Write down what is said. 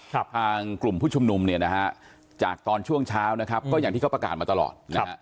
ทางกลุ่มผู้ชุมนุมเนี่ยนะฮะจากตอนช่วงเช้านะครับก็อย่างที่เขาประกาศมาตลอดนะฮะ